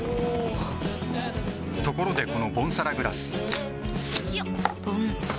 おおっところでこのボンサラグラス